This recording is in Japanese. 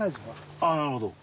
ああなるほど。